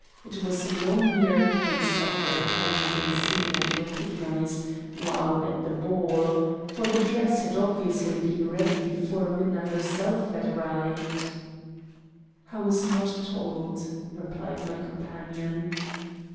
It was no mere case of her having been seen and recognized while at the ball; for the dress had obviously been ready before Minna herself had arrived. "I was not told," replied my companion.